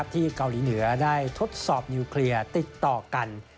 ที่เกาหลีเหนือได้ทดสอบนิวเคลียร์ติดต่อกัน